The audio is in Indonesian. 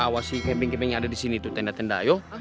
awasi camping camping yang ada di sini itu tenda tenda ayo